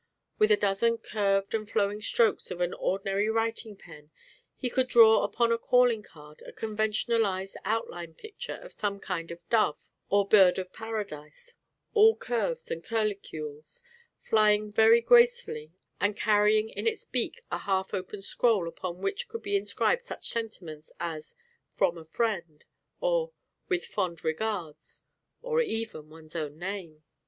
With a dozen curved and flowing strokes of an ordinary writing pen he could draw upon a calling card a conventionalized outline picture of some kind of dove or bird of paradise, all curves and curlicues, flying very gracefully and carrying in its beak a half open scroll upon which could be inscribed such sentiments as "From a Friend" or "With Fond Regards," or even one's own name.